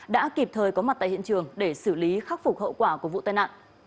đã kịp thời có mặt tại hiện trường để xử lý khắc phục hậu quả của vụ tai nạn